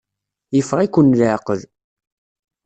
Yeffeɣ-iken leɛqel.